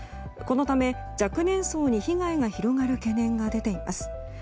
このため、若年層に被害が広がる懸念が出ています。